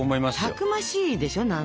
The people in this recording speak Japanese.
たくましいでしょ？